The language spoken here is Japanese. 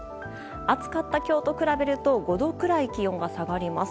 暑かった今日と比べると５度くらい気温が下がります。